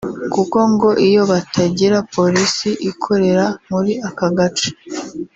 kuko ngo iyo batagira polisi ikorera muri aka gace